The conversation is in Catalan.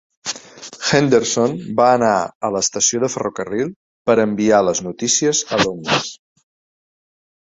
Henderson va anar a l'estació de ferrocarril per enviar les notícies a Londres.